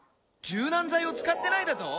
柔軟剤を使ってないだと？」